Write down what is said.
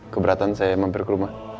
keberatan saya mampir ke rumah